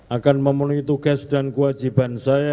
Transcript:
akan memenuhi tugas dan kewajiban saya